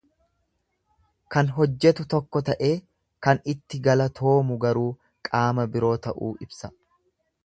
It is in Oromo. Kan hojjetu tokko ta'ee kan itti galatoomu garuu qaama biroo ta'uu ibsa.